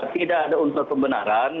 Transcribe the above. tidak ada untuk pembenaran